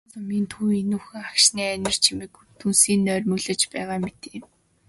Жаргалан сумын төв энүүхэн агшны анир чимээгүйд дүнсийн нойрмоглож байгаа мэтээ.